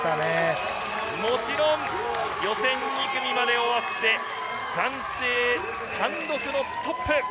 もちろん予選２組まで終わって、暫定単独トップ。